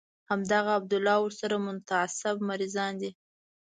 همدغه عبدالله او ورسره متعصب مريضان دي.